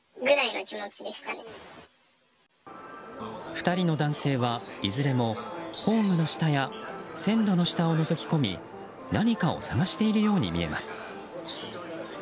２人の男性は、いずれもホームの下や線路の下をのぞき込み何かを探しているように見えます。